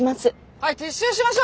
はい撤収しましょう！